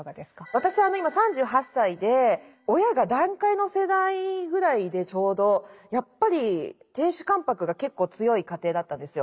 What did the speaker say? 私は今３８歳で親が団塊の世代ぐらいでちょうどやっぱり亭主関白が結構強い家庭だったんですよ。